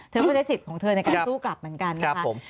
เธอก็ใช้สิทธิ์ของเธอในการสู้กลับเหมือนกันนะคะ